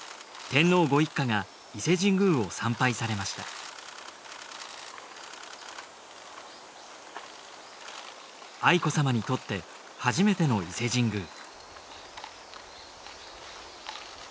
天皇ご一家が伊勢神宮を参拝されました愛子さまにとって初めての伊勢神宮